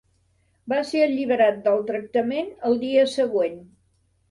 Va ser alliberat del tractament al dia següent.